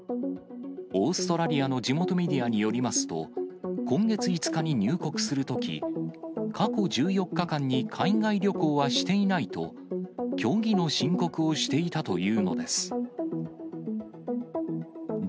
オーストラリアの地元メディアによりますと、今月５日に入国するとき、過去１４日間に海外旅行はしていないと、虚偽の申告をしていたというのです。